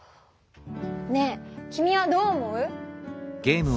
ねえ君はどう思う？